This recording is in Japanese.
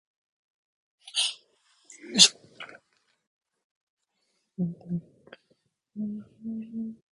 その魔物のからだは、どんな濃い墨よりも、もっと黒く、黒さが絶頂にたっして、ついに人の目にも見えぬほどになっているのにちがいありません。